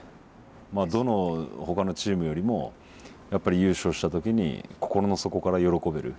まあどのほかのチームよりもやっぱり優勝した時に心の底から喜べる。